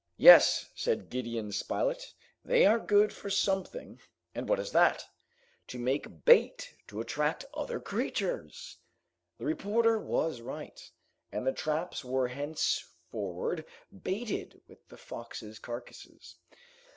"Yes," said Gideon Spilett, "they are good for something!" "And what is that?" "To make bait to attract other creatures!" The reporter was right, and the traps were henceforward baited with the foxes carcasses.